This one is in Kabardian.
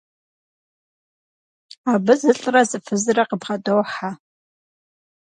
Абы зылӏрэ зы фызрэ къыбгъэдохьэ.